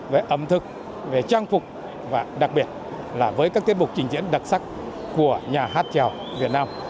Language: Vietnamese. về ẩm thực về trang phục và đặc biệt là với các tiết mục trình diễn đặc sắc của nhà hát trèo việt nam